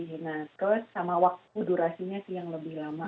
terus sama waktu durasinya yang lebih lama